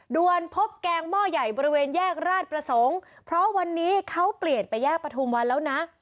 วนพบแกงหม้อใหญ่บริเวณแยกราชประสงค์เพราะวันนี้เขาเปลี่ยนไปแยกประทุมวันแล้วนะ